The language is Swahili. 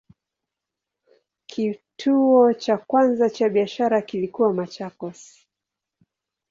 Kituo cha kwanza cha biashara kilikuwa Machakos.